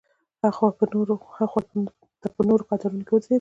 ها خوا ته په نورو قطارونو کې ودرېدل.